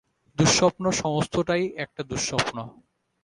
দুঃস্বপ্ন, সমস্তটাই একটা দুঃস্বপ্ন।